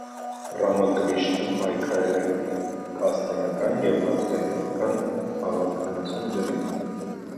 Ռամակրիշնան պայքարել է կաստայական և ազգայնական հավասարության դեմ։